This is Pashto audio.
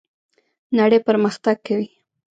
نړۍ پرمختګ کوي